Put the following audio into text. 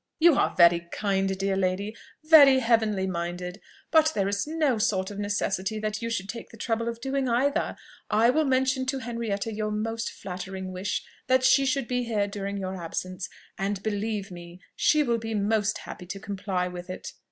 "You are very kind, dear lady! very heavenly minded! but there is no sort of necessity that you should take the trouble of doing either. I will mention to Henrietta your most flattering wish that she should be here during your absence: and, believe me, she will be most happy to comply with it."